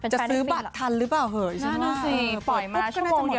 จะซื้อบัตรทันหรือเปล่าเหรอ